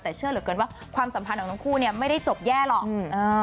แต่เชื่อเหลือเกินว่าความสัมพันธ์ของทั้งคู่เนี่ยไม่ได้จบแย่หรอก